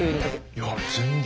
いや全然。